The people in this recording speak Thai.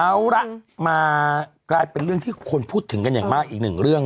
เอาละมากลายเป็นเรื่องที่คนพูดถึงกันอย่างมากอีกหนึ่งเรื่อง